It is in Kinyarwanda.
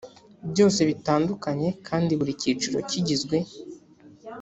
byose bitandukanye kandi buri cyiciro kigizwe